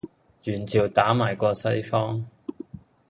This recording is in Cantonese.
元朝打埋過西方